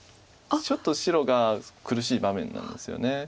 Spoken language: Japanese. ちょっと白が苦しい場面なんですよね。